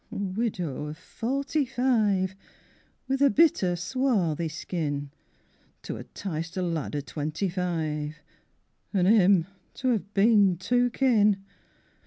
II A widow of forty five With a bitter, swarthy skin, To ha' 'ticed a lad o' twenty five An' 'im to have been took in!